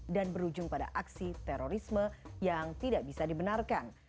dan berujung pada aksi terorisme yang tidak bisa dibenarkan